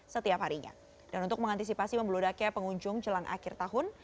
setiap harinya dan untuk mengantisipasi membeludaknya pengunjung jelang akhir tahun